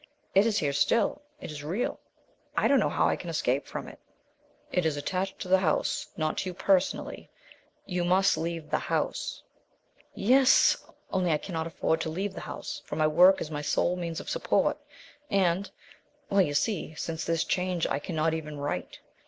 It is here still. It is real. I don't know how I can escape from it." "It is attached to the house, not to you personally. You must leave the house." "Yes. Only I cannot afford to leave the house, for my work is my sole means of support, and well, you see, since this change I cannot even write.